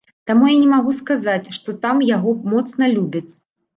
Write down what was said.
Таму я не магу сказаць, што там яго моцна любяць.